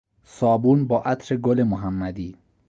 صابون با عطر گل محمدی